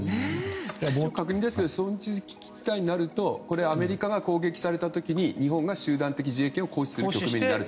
確認ですが存立危機事態になるとアメリカが攻撃された時に日本が集団的自衛権を行使する局面になると。